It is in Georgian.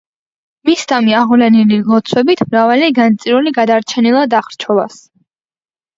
მისდამი აღვლენილი ლოცვებით მრავალი განწირული გადარჩენილა დახრჩობას.